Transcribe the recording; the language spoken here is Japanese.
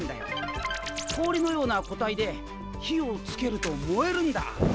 氷のような固体で火をつけると燃えるんだ。